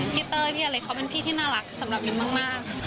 เต้ยพี่อเล็กเขาเป็นพี่ที่น่ารักสำหรับมินมาก